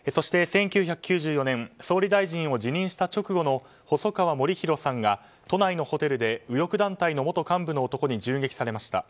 １９９４年総理大臣を辞任した直後の細川護熙さんが都内のホテルで右翼団体の元幹部の男に銃撃されました。